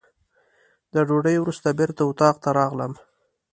د ډوډۍ وروسته بېرته اتاق ته راغلم.